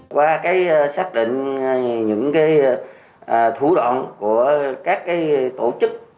qua cái xác định những cái thủ đoạn của các cái tổ chức